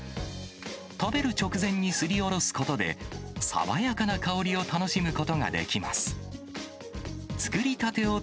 食べる直前にすりおろすことで、爽やかな香りを楽しむことができます。